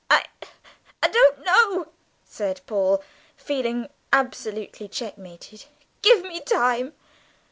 "I I don't know," said Paul, feeling absolutely checkmated. "Give me time."